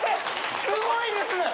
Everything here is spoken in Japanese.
すごいです！